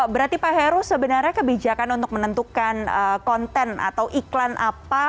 berarti pak heru sebenarnya kebijakan untuk menentukan konten atau iklan apa